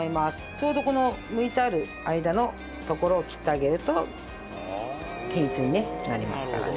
ちょうどこの剥いてある間のところを切ってあげると均一にねなりますからね。